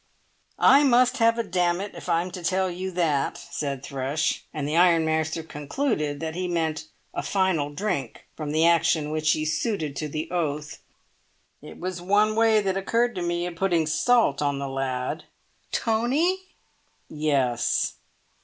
"I must have a damn it if I'm to tell you that," said Thrush; and the ironmaster concluded that he meant a final drink, from the action which he suited to the oath. "It was one way that occurred to me of putting salt on the lad." "Tony?" "Yes."